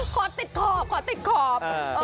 ขอติดขอบขอติดขอบ